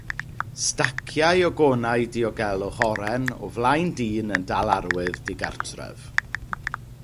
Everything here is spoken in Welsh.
Staciau o gonau diogelwch oren o flaen dyn yn dal arwydd digartref.